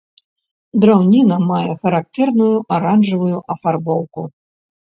Драўніна мае характэрную аранжавую афарбоўку.